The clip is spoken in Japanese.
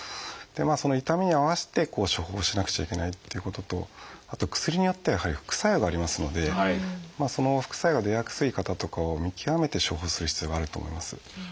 その痛みに合わせて処方しなくちゃいけないっていうこととあと薬によってはやはり副作用がありますのでその副作用が出やすい方とかを見極めて処方する必要があると思います。